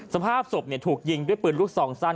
สภาพศพถูกยิงด้วยปืนลูกซองสั้น